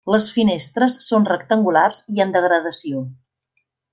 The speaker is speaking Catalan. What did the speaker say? Les finestres són rectangulars i en degradació.